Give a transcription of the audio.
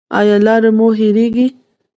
ایا لارې مو هیریږي؟